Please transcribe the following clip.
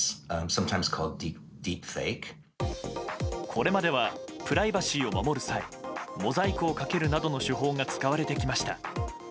これまではプライバシーを守る際モザイクをかけるなどの手法が使われてきました。